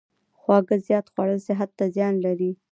خواږه زیات خوړل صحت ته زیان لري.